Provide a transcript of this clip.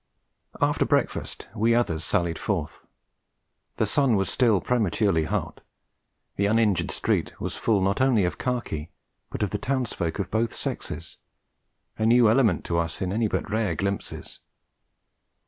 After breakfast we others sallied forth. The sun was still prematurely hot. The uninjured street was full not only of khaki, but of the townsfolk of both sexes, a new element to us in any but rare glimpses.